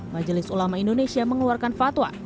majelis ulama indonesia mengeluarkan fatwa